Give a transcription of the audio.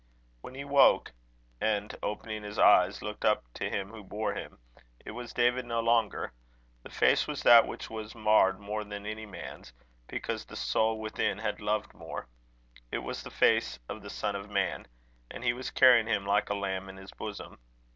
When he woke, and, opening his eyes, looked up to him who bore him, it was David no longer. The face was that which was marred more than any man's, because the soul within had loved more; it was the face of the Son of Man, and he was carrying him like a lamb in his bosom.